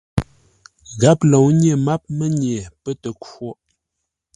Gháp lǒu nyêr máp mənye pə́ tə khwôʼ.